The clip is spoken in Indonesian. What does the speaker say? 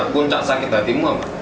puncak sakit hatimu apa